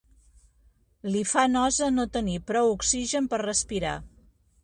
Li fa nosa no tenir prou oxigen per respirar.